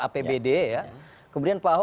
apbd ya kemudian pak ahok